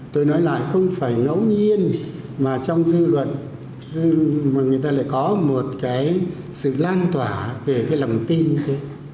tôi nói lại không phải ngẫu nhiên mà trong dư luận mà người ta lại có một cái sự lan tỏa về cái lòng tin thế